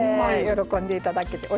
喜んでいただけて。